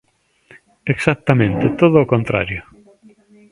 Exactamente, todo o contrario.